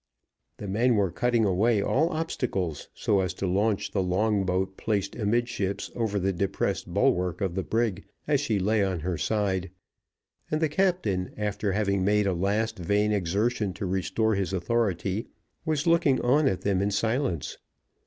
The men were cutting away all obstacles so as to launch the longboat placed amidships over the depressed bulwark of the brig as she lay on her side, and the captain, after having made a last vain exertion to restore his authority, was looking on at them in silence.